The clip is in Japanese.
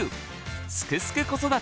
「すくすく子育て」